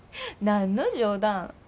何の冗談？